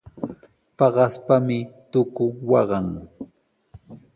Paqaspami tuku waqan.